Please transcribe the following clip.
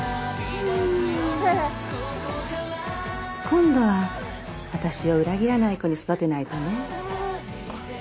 今度は私を裏切らない子に育てないとね。